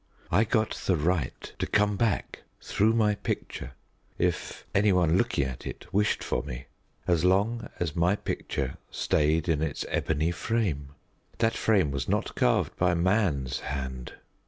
I got the right to come back, through my picture (if any one looking at it wished for me), as long as my picture stayed in its ebony frame. That frame was not carved by man's hand.